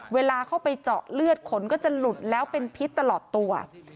เวลาเข้าไปเจาะเลือดขนก็จะหลุดแล้วเป็นพิษตลอดตัว